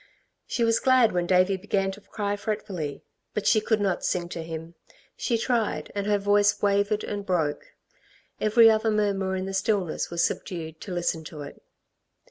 She was glad when Davey began to cry fretfully. But she could not sing to him. She tried, and her voice wavered and broke. Every other murmur in the stillness was subdued to listen to it.